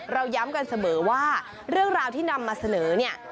เราย้ำกันเสมอว่าเรื่องราวที่นำมาเสนอเนี่ย